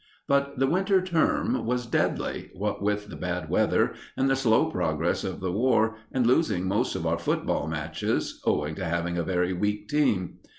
But the winter term was deadly, what with the bad weather and the slow progress of the War, and losing most of our football matches, owing to having a very weak team.